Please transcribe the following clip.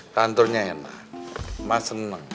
kantornya enak mas seneng